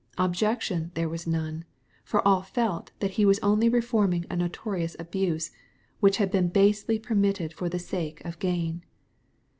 Objection there was none, for all felt that he was only reforming a notorious abuse, which had been basely permitted for the sake of gain.